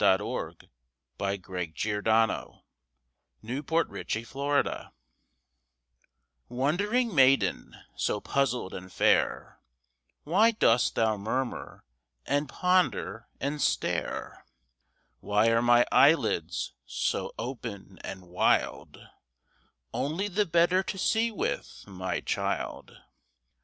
WHAT THE WOLF REALLY SAID TO LITTLE RED RIDING HOOD Wondering maiden, so puzzled and fair, Why dost thou murmur and ponder and stare? "Why are my eyelids so open and wild?" Only the better to see with, my child!